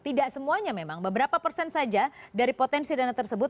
tidak semuanya memang beberapa persen saja dari potensi dana tersebut